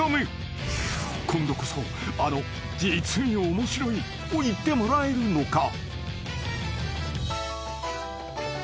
［今度こそあの「実に面白い」を言ってもらえるのか？］